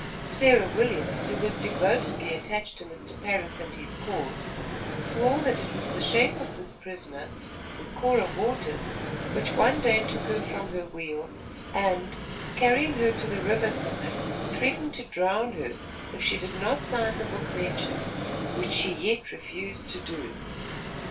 Sarah Williams, who was devotedly attached to Mr. Parris and his cause, swore that it was the shape of this prisoner, with Cora Waters, which one day took her from her wheel and, carrying her to the river side, threatened to drown her, if she did not sign the book mentioned, which she yet refused to do.